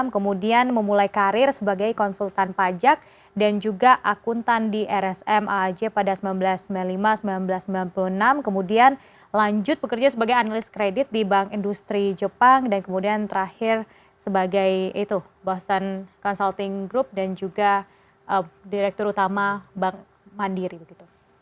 seribu sembilan ratus sembilan puluh enam kemudian memulai karir sebagai konsultan pajak dan juga akuntan di rsmaj pada seribu sembilan ratus sembilan puluh lima seribu sembilan ratus sembilan puluh enam kemudian lanjut bekerja sebagai analis kredit di bank industri jepang dan kemudian terakhir sebagai boston consulting group dan juga direktur utama bank mandiri